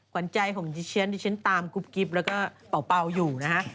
ขวัญใจของดิฉันดิฉันตามกุ๊บกิ๊บแล้วก็เป่าอยู่นะฮะ